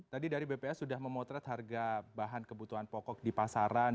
tadi dari bps sudah memotret harga bahan kebutuhan pokok di pasaran